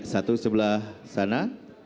satu sebelah sana